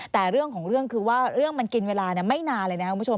แต่เรื่องของเรื่องคือว่าเรื่องมันกินเวลาไม่นานเลยนะครับคุณผู้ชม